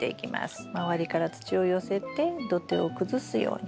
周りから土を寄せて土手を崩すように。